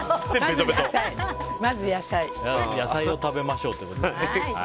野菜を食べましょうということで。